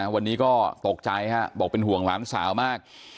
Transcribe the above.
วันนี้ก็ตกใจบอกเป็นห่วงหลานสาวมาก